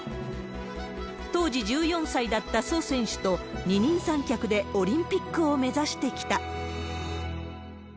当時１４歳だった蘇選手と二人三脚でオリンピックを目指してきた。